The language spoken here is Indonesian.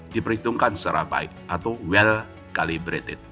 diperhitungkan secara baik atau well kalibrated